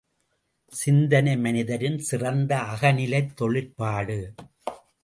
சிந்தனை மனிதரின் சிறந்த அகநிலைத் தொழிற்பாடு!